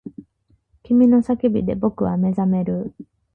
君の叫びで僕は目覚める